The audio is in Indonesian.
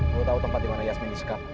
lo tau tempat dimana yasmin disekap